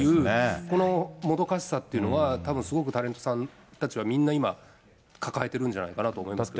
このもどかしさっていうのは、たぶん、すごくタレントさんたちは、みんな今、抱えてるんじゃないかなと思いますけどね。